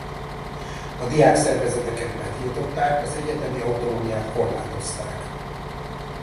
A diákszervezeteket betiltották az egyetemi autonómiát korlátozták.